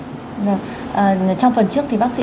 trong phần trước thì bác sĩ